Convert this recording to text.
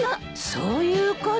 そういうこと。